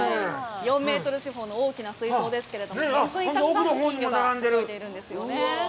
４メートル四方の大きな水槽ですけれども、本当にたくさんの金魚が泳いでいるんですよね。